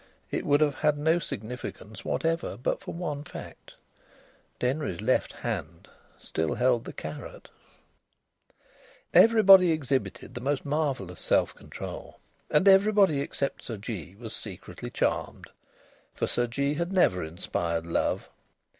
It would have had no significance whatever, but for one fact. Denry's left hand still held the carrot. Everybody exhibited the most marvellous self control. And everybody except Sir Jee was secretly charmed, for Sir Jee had never inspired love.